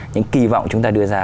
những kỳ vọng chúng ta đưa ra